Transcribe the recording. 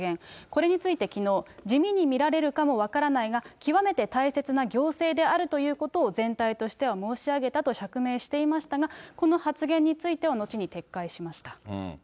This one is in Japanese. これについてきのう、地味に見られるかも分からないが、極めて大切な行政であるということを全体としては申し上げたと釈明していましたが、この発言については後に撤回しました。